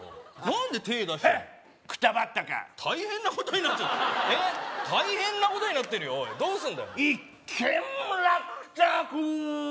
何で手出しちゃうのへっくたばったか大変なことになっちゃったえ大変なことになってるよどうすんだよ一件落着！